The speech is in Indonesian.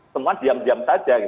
semua diam diam saja